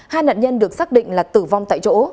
hai nạn nhân được xác định là tử vong tại chỗ